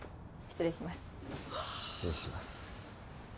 失礼します